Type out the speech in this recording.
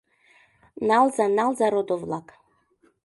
Налза, налза, родо-влак.